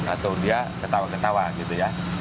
atau dia ketawa ketawa gitu ya